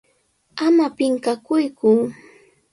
¡Ama pinqakuyku!